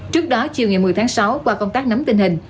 trước đó chiều ngày một mươi tháng sáu qua công tác nắm tình hình